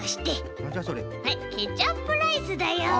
ケチャップライスだよ。